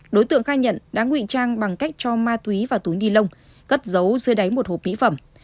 đối tượng khai nhận đã nguyện trang bằng cách cho ma túy vào túi nilông cất dấu dưới đáy một hộp mỹ phẩm